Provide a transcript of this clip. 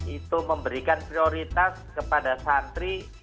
itu memberikan prioritas kepada santri